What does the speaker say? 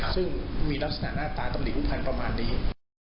ซึ่งมีลักษณะหน้าตาตำหนิผู้พันธ์ประมาณนี้